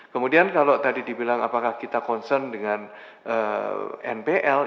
kemudian kalau tadi dibilang apakah kita concern dengan npl